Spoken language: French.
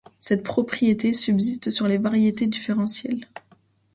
Cette propriétés subsistent sur les variétés différentielles.